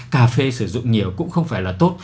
cà phê sử dụng nhiều cũng không phải là tốt